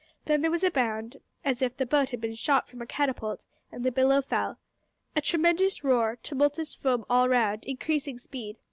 Then there was a bound, as if the boat had been shot from a catapult, and the billow fell. A tremendous roar, tumultuous foam all round, increasing speed!